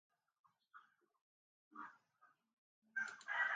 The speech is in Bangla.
এটি কেবলমাত্র নারী শিক্ষার্থীদের জন্য উম্মুক্ত।